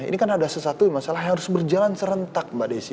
ini kan ada sesuatu masalah yang harus berjalan serentak mbak desi